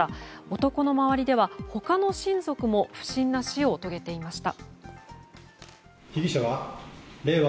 男の周りでは他の親族も不審な死を遂げていました。